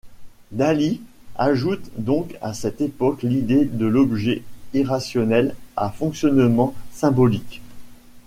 Dalí ajoute donc à cette époque l’idée de l’objet irrationnel à fonctionnement symbolique.